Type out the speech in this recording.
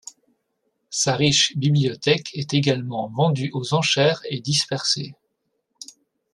Sa riche bibliothèque est également vendue aux enchères et dispersée.